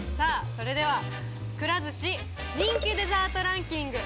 それではくら寿司人気デザートランキング